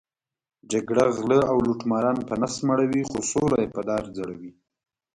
جګړه غله او لوټماران په نس مړوي، خو سوله یې په دار ځړوي.